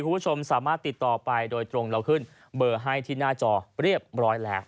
คุณผู้ชมสามารถติดต่อไปโดยตรงเราขึ้นเบอร์ให้ที่หน้าจอเรียบร้อยแล้ว